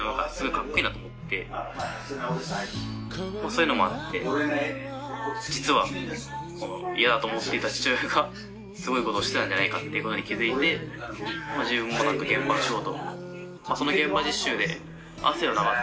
そういうのもあって実は嫌だと思っていた父親がすごいことしてたんじゃないかっていうことに気付いて自分も現場仕事その現場実習で汗を流すのがいいなと。